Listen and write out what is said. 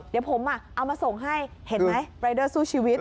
เดี๋ยวผมเอามาส่งให้เห็นไหมรายเดอร์สู้ชีวิต